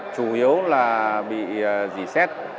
chủ yếu là bị dì xét